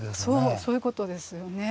そういうことですよね。